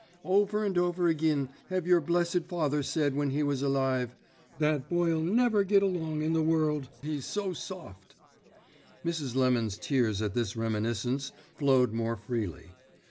Over and over agin have your blessed father said when he was alive, 'That boy'll never git along in the world, he's so soft!'" Mrs. Lemon's tears at this reminiscence flowed more freely.